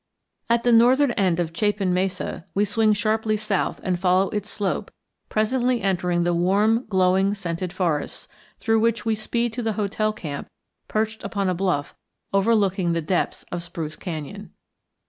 At the northern end of Chapin Mesa we swing sharply south and follow its slope, presently entering the warm, glowing, scented forests, through which we speed to the hotel camp perched upon a bluff overlooking the depths of Spruce Canyon.